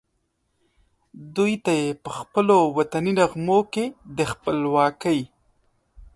دوی ته یې پخپلو وطني نغمو کې د خپلواکۍ